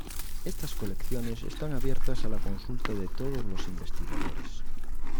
Estas colecciones están abiertas a la consulta de todos los investigadores.